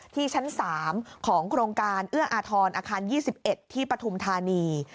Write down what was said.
ที่ชั้น๓ของโครงการเอื้ออาทรอาคาร๒๑ที่ปฐุมธานี